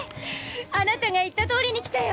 あなたが言ったとおりに来たよ！